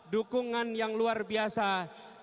dukungan yang luar biasa dari the jackmania